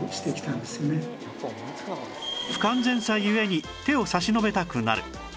不完全さ故に手を差し伸べたくなる